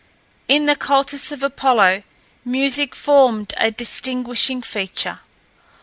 In the cultus of Apollo, music formed a distinguishing feature.